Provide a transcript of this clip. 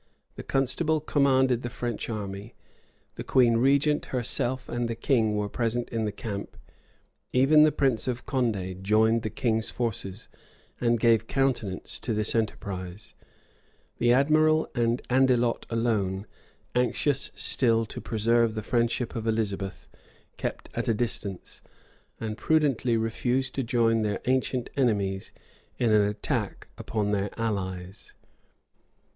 The constable commanded the French army; the queen regent herself and the king were present in the camp; even the prince of Condé joined the king's forces, and gave countenance to this enterprise; the admiral and Andelot alone, anxious still to preserve the friendship of Elizabeth, kept at a distance, and prudently refused to join their ancient enemies in an attack upon their allies. * Forbes, vol. ii. p. 79. Forbes, vol. ii. p. 158.